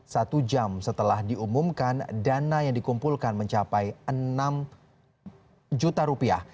satu jam setelah diumumkan dana yang dikumpulkan mencapai enam juta rupiah